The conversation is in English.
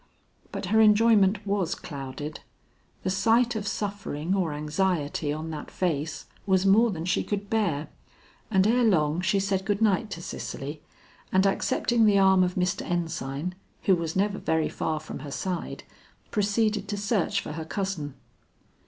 But her enjoyment was clouded; the sight of suffering or anxiety on that face was more than she could bear; and ere long she said good night to Cicely, and accepting the arm of Mr. Ensign, who was never very far from her side, proceeded to search for her cousin.